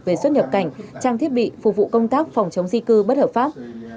về xuất nhập cảnh trang thiết bị phục vụ công tác phòng chống di cư bất hợp pháp